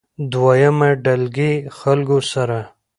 دويمه ډلګۍ خلکو سره